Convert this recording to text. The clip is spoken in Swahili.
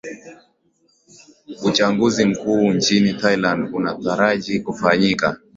uchanguzi mkuu wa nchini thailand unataraji kufanyika